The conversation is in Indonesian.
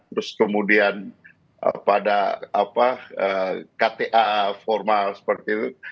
terus kemudian pada kta formal seperti itu